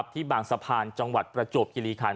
ที่บางสะพานจังหวัดประจวบคิริคัน